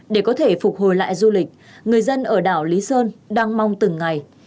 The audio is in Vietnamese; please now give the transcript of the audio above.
để có thể phục hồi lại du lịch người dân ở đảo lý sơn đang mong từng ngày